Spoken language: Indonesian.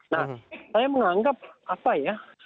nah saya menganggap apa ya